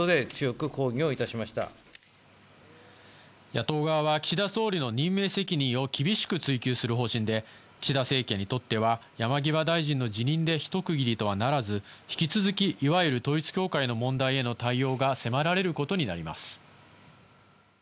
野党側は岸田総理の任命責任を厳しく追及する方針で、岸田政権にとっては山際大臣の辞任でひと区切りとはならず、引き続きいわゆる統一教会への対応が迫られることになります。